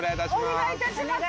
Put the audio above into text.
お願いいたします。